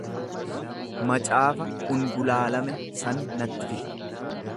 Macaafa ungulaalame san natti fidi.